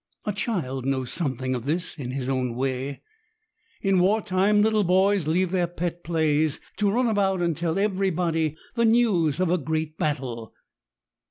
A child knows something of this in his own way. In war time, little boys leave their pet plays to run about and tell everybody the news of a great battle.